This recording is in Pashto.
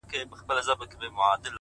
وړتیا له تمرین سره غوړیږي,